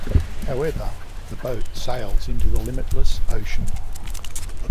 However, the boats sails into the limitless ocean.